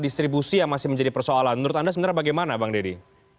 distribusi yang masih menjadi persoalan menurut anda sebenarnya bagaimana bang deddy